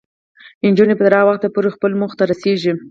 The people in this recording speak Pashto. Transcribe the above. نجونې به تر هغه وخته پورې خپلو موخو ته رسیږي.